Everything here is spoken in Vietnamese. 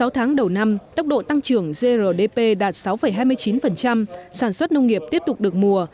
sáu tháng đầu năm tốc độ tăng trưởng grdp đạt sáu hai mươi chín sản xuất nông nghiệp tiếp tục được mùa